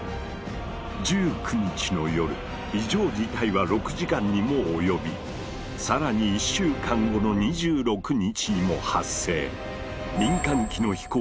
１９日の夜異常事態は６時間にも及び更に１週間後の２６日にも発生。